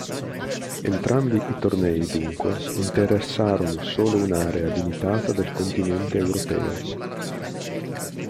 Entrambi i tornei, dunque, interessarono solo un'area limitata del continente europeo.